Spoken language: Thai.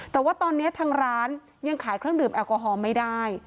แต่ว่าตอนนี้ทางร้านยังขายเครื่องดื่มแอลกอฮอล์ไม่ได้